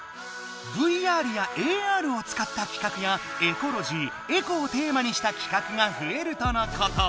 ＶＲやＡＲを使った企画やエコロジーエコをテーマにした企画が増えるとのこと。